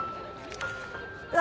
うわ。